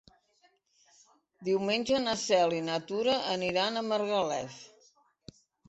Diumenge na Cel i na Tura aniran a Margalef.